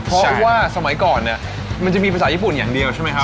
เพราะว่าสมัยก่อนเนี่ยมันจะมีภาษาญี่ปุ่นอย่างเดียวใช่ไหมครับ